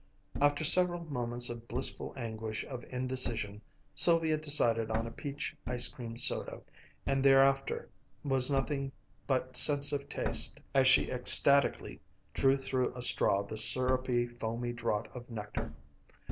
After several moments of blissful anguish of indecision, Sylvia decided on a peach ice cream soda, and thereafter was nothing but sense of taste as she ecstatically drew through a straw the syrupy, foamy draught of nectar.